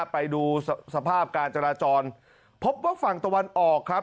ไปดูสภาพการจราจรพบว่าฝั่งตะวันออกครับ